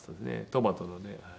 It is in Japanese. トマトのねはい。